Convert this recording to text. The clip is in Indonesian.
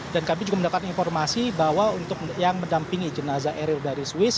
dan kami juga mendapatkan informasi bahwa untuk yang mendampingi jenazah ariel dari swiss